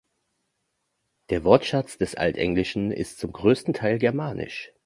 Der Wortschatz des Altenglischen ist zum größten Teil germanisch.